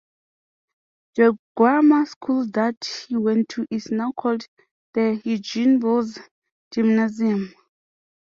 The grammar school that he went to is now called the "Eugen-Bolz-Gymnasium".